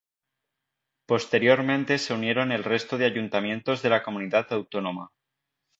Posteriormente se unieron el resto de ayuntamientos de la comunidad autónoma.